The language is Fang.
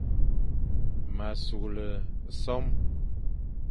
M a sughle sôm.